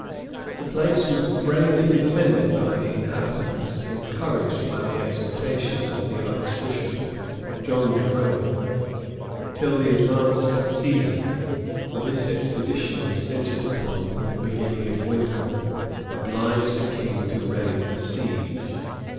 } The place was bravely defended by the inhabitants, encouraged by the exhortations of the archbishop, John de Craon; till the advanced season (for this expedition was entered upon in the beginning of winter) obliged the king to raise the siege.